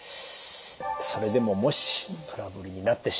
それでももしトラブルになってしまった。